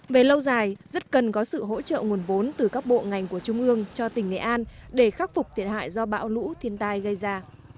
về lâu dài rất cần có sự hỗ trợ nguồn vốn từ các bộ ngành của trung ương cho tỉnh nghệ an để khắc phục thiệt hại do bão lũ thiên tai gây ra